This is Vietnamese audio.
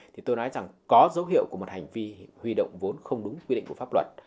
thì tôi nói rằng có dấu hiệu của một hành vi huy động vốn không đúng quy định của pháp luật